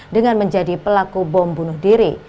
dengan menjadi pelaku bom bunuh diri